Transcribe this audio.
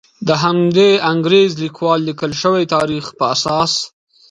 د همدې انګریز لیکوالو لیکل شوي تاریخ په اساس.